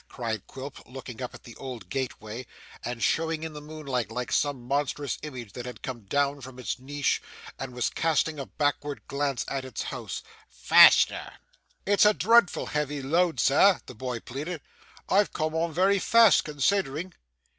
cried Quilp, looking up at the old gateway, and showing in the moonlight like some monstrous image that had come down from its niche and was casting a backward glance at its old house, 'faster!' 'It's a dreadful heavy load, Sir,' the boy pleaded. 'I've come on very fast, considering.